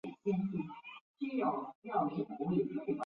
只有可兼选言的情况才属肯定选言谬误。